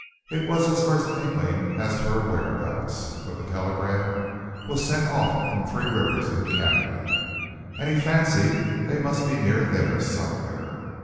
It was his first inkling as to her whereabouts, for the telegram was sent off from Three Rivers, in Canada, and he fancied they must be near there somewhere.